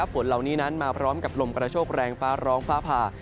ฝนเหล่านี้มาพร้อมกับมุโรงกระโชคและแรงฟ้าร้องฝ้าผ่า